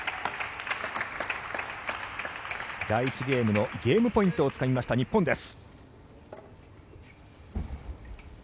第１ゲームのゲームポイントをつかみました日本です。